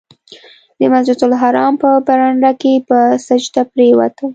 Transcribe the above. د مسجدالحرام په برنډه کې په سجده پرېوتم.